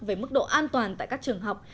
về mức độ an toàn tại các trường học